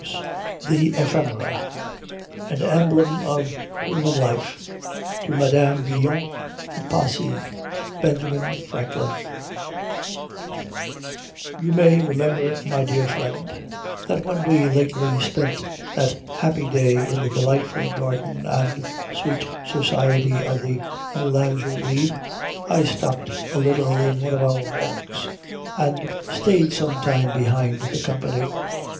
] THE EPHEMERA: AN EMBLEM OF HUMAN LIFE TO MADAME BRILLON, OF PASSY BENJAMIN FRANKLIN You may remember, my dear friend, that when we lately spent that happy day in the delightful garden and sweet society of the Moulin Joly, I stopped a little in one of our walks, and stayed some time behind the company.